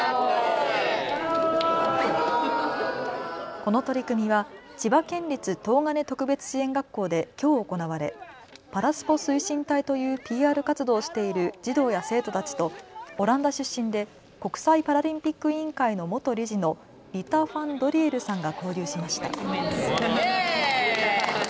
この取り組みは千葉県立東金特別支援学校できょう行われパラスポ推進隊というＰＲ活動をしている児童や生徒たちとオランダ出身で国際パラリンピック委員会の元理事のリタ・ファン・ドリエルさんが交流しました。